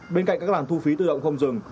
bên cạnh các làn thu phí tự động không dừng